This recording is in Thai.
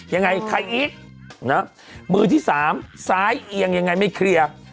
ยังไงใครอีกมือที่สามซ้ายเอียงยังไงไม่เคลียร์